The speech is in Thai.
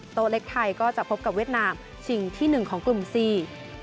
โต๊ะเล็กไทยก็จะพบกับเวียดนามชิงที่หนึ่งของกลุ่มสี่